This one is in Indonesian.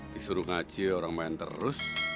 disuruh ngaji orang main terus